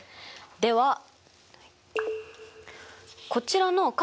ではこちらの∠